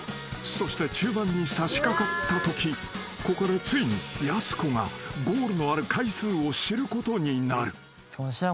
［そして中盤にさしかかったときここでついにやす子がゴールのある階数を知ることになる］